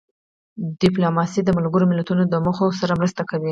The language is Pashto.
ډیپلوماسي د ملګرو ملتونو د موخو سره مرسته کوي.